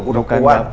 gue udah puan